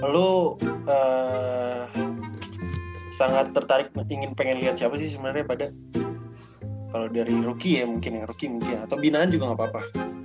lu sangat tertarik pengen liat siapa sih sebenernya pada kalau dari rookie ya mungkin ya rookie mungkin atau binaan juga gak apa apa